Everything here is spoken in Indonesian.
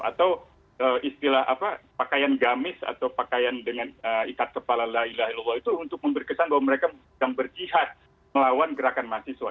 atau istilah apa pakaian gamis atau pakaian dengan ikat kepala la ilaha illah itu untuk memberi kesan bahwa mereka sedang berjihad melawan gerakan mahasiswa